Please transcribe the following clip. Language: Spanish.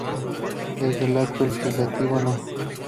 Desde el Acto Legislativo No.